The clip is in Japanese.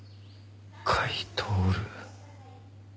「甲斐享」。